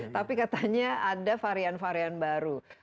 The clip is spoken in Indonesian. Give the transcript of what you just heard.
tapi katanya ada varian varian baru